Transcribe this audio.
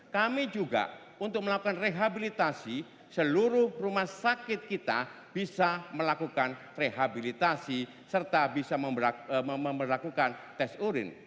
kami juga untuk melakukan rehabilitasi seluruh rumah sakit kita bisa melakukan rehabilitasi serta bisa melakukan tes urin